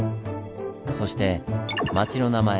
そして町の名前